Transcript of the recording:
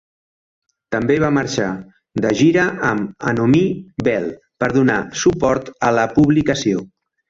També va marxar de gira amb Anomie Belle per donar suport a la publicació.